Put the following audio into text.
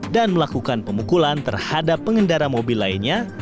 dan melakukan pemukulan terhadap pengendara mobil lainnya